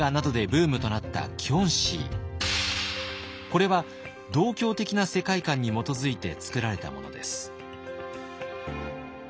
これは道教的な世界観に基づいて作られたものです。